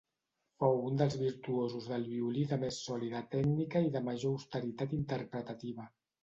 Fou un dels virtuosos del violí de més sòlida tècnica i de major austeritat interpretativa.